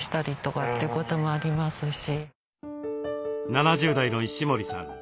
７０代の石森さん